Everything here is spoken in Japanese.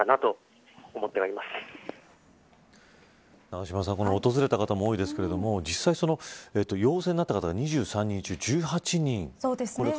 永島さんこの訪れた方も多いですが実際に陽性になった方が２３人中１８人